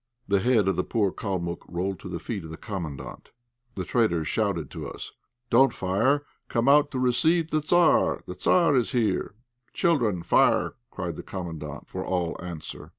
The head of the poor Kalmuck rolled to the feet of the Commandant. The traitors shouted to us "Don't fire. Come out to receive the Tzar; the Tzar is here." "Children, fire!" cried the Commandant for all answer.